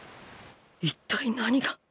一体何が？